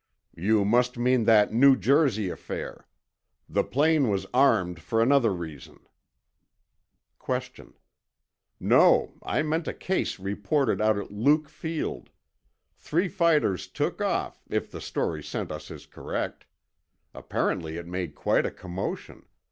You must mean that New Jersey affair. The plane was armed for another reason. Q. No, I meant a case reported out at Luke Field. Three fighters took off, if the story sent us is correct. Apparently it made quite a commotion.